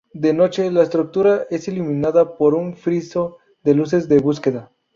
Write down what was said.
De noche, la estructura es iluminada por un friso de luces de búsqueda.